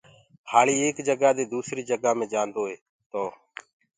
هآݪي ايڪ جگآ دي دوسري جگآ مي جآندوئي تو